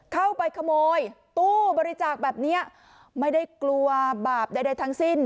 เข้าไปขโมยตู้บริจาคแบบนี้ไม่ได้กลัวบาปใดทั้งสิ้น